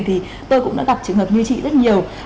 thì tôi cũng đã gặp trường hợp như chị rất nhiều